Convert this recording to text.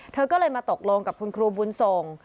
เธอก็เลยมาตกลงกับคุณครูบุญส่ง